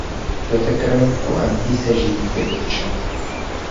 Bifikirin ku em dîsa jî têk diçin.